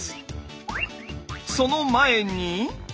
その前に。